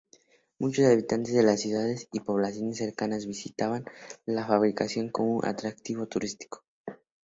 Muchos habitantes de ciudades y poblaciones cercanas, visitaban la fábrica como atractivo turístico.